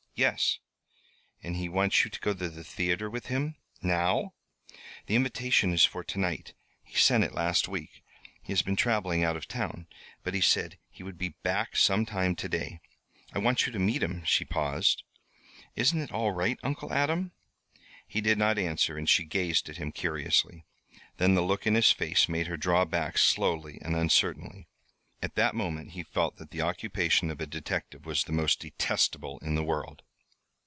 "Yes." "And he wants you to go to the theatre with him now?" "The invitation is for to night he sent it last week. He has been traveling out of town, but he said he would be back some time to day. I want you to meet him." She paused. "Isn't it all right, Uncle Adam?" He did not answer, and she gazed at him curiously. Then the look in his face made her draw back, slowly and uncertainly. At that moment he felt that the occupation of a detective was the most detestable in the world.